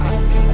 masa dulu pak